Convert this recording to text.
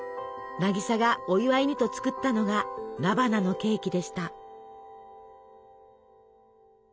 渚がお祝いにと作ったのが菜花のケーキでした。